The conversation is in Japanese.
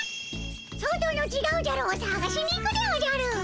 外の「ちがうじゃろー」をさがしに行くでおじゃる。